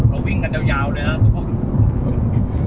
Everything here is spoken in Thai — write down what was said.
เราวิ่งกันยาวเลยอ่ะทุกคน